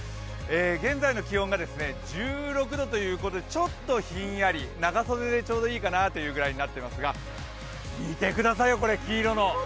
現在の気温が１６度ということでちょっとひんやり、長袖でちょうどいいかなというぐらいになっていますが、見てくださいよ、これ黄色の。